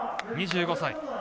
２５歳。